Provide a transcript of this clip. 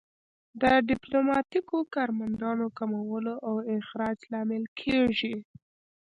دا د ډیپلوماتیکو کارمندانو کمولو او اخراج لامل کیږي